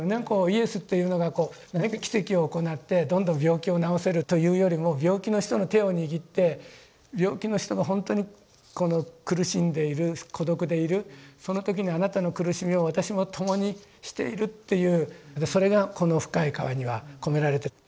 イエスっていうのがこう何か奇跡を行ってどんどん病気を治せるというよりも病気の人の手を握って病気の人がほんとにこの苦しんでいる孤独でいるその時にあなたの苦しみを私も共にしているっていうそれがこの「深い河」には込められて。